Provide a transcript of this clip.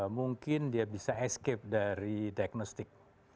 mungkin dia bisa escape dari diagnostik